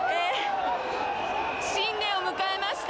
新年を迎えました。